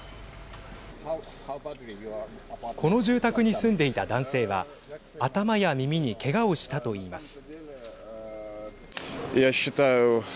この住宅に住んでいた男性は頭や耳にけがをしたといいます。